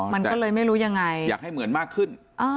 มันก็เลยไม่รู้ยังไงอยากให้เหมือนมากขึ้น